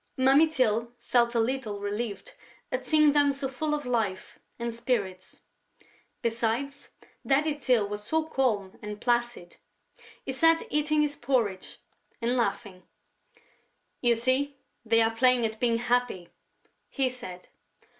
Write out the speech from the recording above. Mummy Tyl felt a little relieved at seeing them so full of life and spirits. Besides, Daddy Tyl was so calm and placid. He sat eating his porridge and laughing: "You see, they are playing at being happy!" he said.